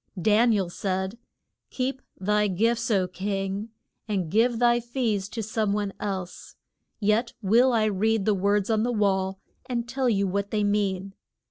Dan i el said, Keep thy gifts, O king, and give thy fees to some one else. Yet will I read the words on the wall and tell you what they mean.